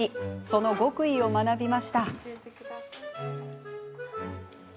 その極意を学びました。